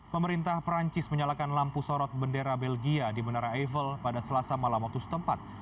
pemerintah perancis menyalakan lampu sorot bendera belgia di menara eiffel pada selasa malam waktu setempat